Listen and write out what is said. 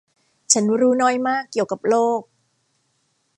ฉันรู้น้อยมากเกี่ยวกับโลก !